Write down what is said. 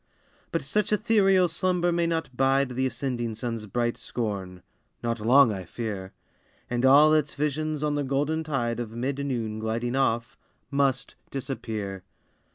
But such ethereal slumber may not bide The ascending sun's bright scorn not long, I fear; And all its visions on the golden tide Of mid noon gliding off, must disappear.